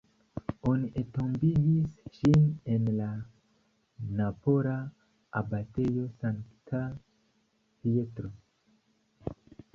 Oni entombigis ŝin en la napola abatejo Sankta Pietro.